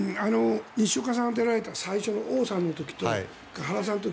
西岡さんが出られた最初の王さんの時と原さんの時